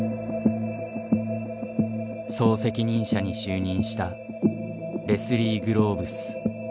総責任者に就任したレスリー・グローブス。